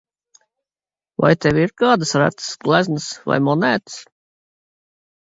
Vai tev ir kādas retas gleznas vai monētas?